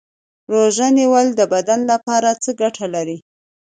روژه نیول د بدن لپاره څه ګټه لري